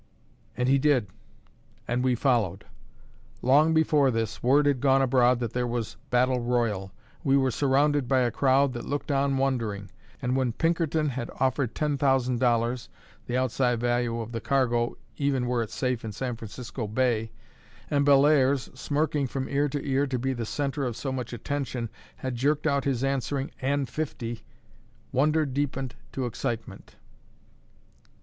And he did, and we followed. Long before this, word had gone abroad that there was battle royal: we were surrounded by a crowd that looked on wondering; and when Pinkerton had offered ten thousand dollars (the outside value of the cargo, even were it safe in San Francisco Bay) and Bellairs, smirking from ear to ear to be the centre of so much attention, had jerked out his answering, "And fifty," wonder deepened to excitement.